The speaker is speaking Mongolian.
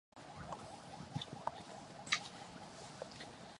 Өсвөр насны хүүхэд яагаад өмнөө ахадсан зорилт тавих ёстой гэж бичсэнээ тайлбарлая.